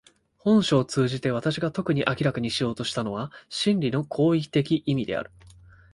本書を通じて私が特に明らかにしようとしたのは真理の行為的意味である。